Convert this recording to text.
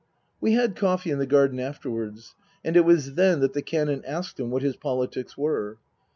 We had coffee in the garden afterwards. And it was then that the Canon asked him what his politics were